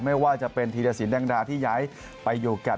ไม่ว่าจะเป็นธีรสินแดงดาที่ย้ายไปอยู่กับ